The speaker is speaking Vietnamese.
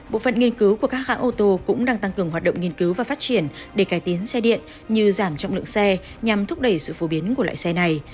bộ phận nghiên cứu của các hãng ô tô cũng đang tăng cường hoạt động nghiên cứu và phát triển để cải tiến xe điện như giảm trọng lượng xe nhằm thúc đẩy sự phổ biến của loại xe này